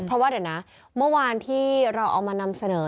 เพราะว่าเดี๋ยวนะเมื่อวานที่เราเอามานำเสนอ